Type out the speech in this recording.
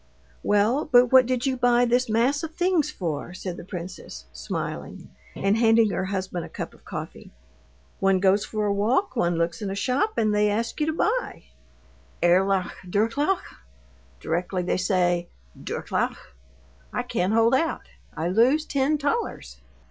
"Well, but what did you buy this mass of things for?" said the princess, smiling, and handing her husband a cup of coffee. "One goes for a walk, one looks in a shop, and they ask you to buy. 'Erlaucht, Durchlaucht?' Directly they say 'Durchlaucht,' I can't hold out. I lose ten thalers."